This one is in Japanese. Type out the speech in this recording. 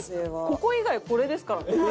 ここ以外これですからね。